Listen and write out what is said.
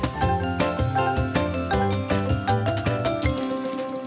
จ้ะ